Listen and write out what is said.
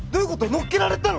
乗っけられたの！？